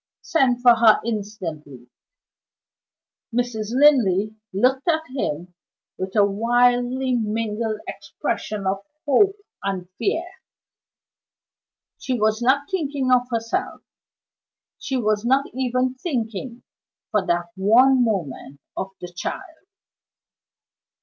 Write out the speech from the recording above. "Send for her instantly!" Mrs. Linley looked at him with a wildly mingled expression of hope and fear. She was not thinking of herself she was not even thinking, for that one moment, of the child.